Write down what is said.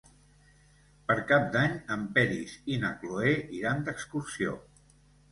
Per Cap d'Any en Peris i na Cloè iran d'excursió.